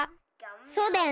そうだよな。